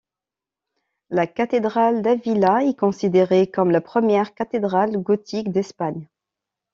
La Cathédrale d'Ávila est considérée comme la première cathédrale gothique d'Espagne.